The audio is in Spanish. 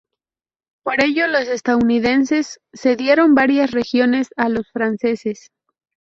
Por ello, los estadounidenses cedieron varias regiones a los franceses.